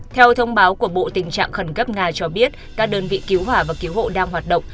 theo thông báo của bộ tình trạng khẩn cấp nga cho biết các đơn vị cứu hỏa và cứu hộ đang hoạt động